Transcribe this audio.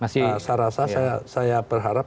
saya rasa saya berharap